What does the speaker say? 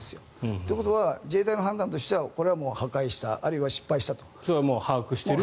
ということは自衛隊の判断としてはこれは破壊したそれは把握していると。